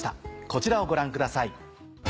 こちらをご覧ください。